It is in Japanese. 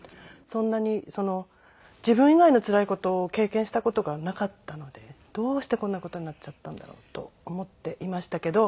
そんなに自分以外のつらい事を経験した事がなかったのでどうしてこんな事になっちゃったんだろうと思っていましたけど。